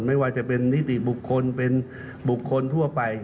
ไม่ว่าจะเป็นนิติบุคคลเป็นบุคคลทั่วไป